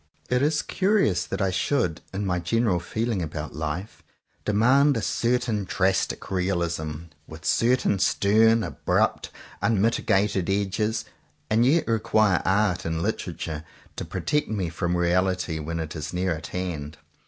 It is curious that I should, in my general feeling about life, demand a certain drastic realism with certain stern, abrupt unmiti gated edges; and yet require Art and Liter ature to protect me from reality when it is near at hand.